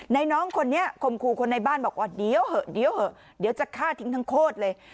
น้องคนนี้คมครูคนในบ้านบอกว่าเดี๋ยวเหอะเดี๋ยวเหอะเดี๋ยวจะฆ่าทิ้งทั้งโคตรเลย